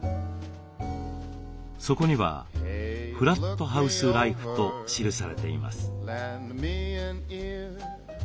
そこには「フラットハウスライフ」と記されています。